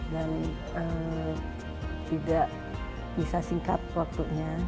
dan tidak bisa singkat waktunya